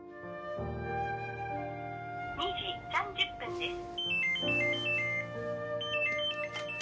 ２時３０分です